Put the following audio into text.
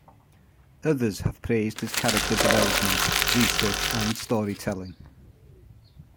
Others have praised his character development, research and story-telling.